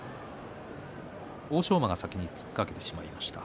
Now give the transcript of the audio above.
欧勝馬が先に突っかけてしまいました。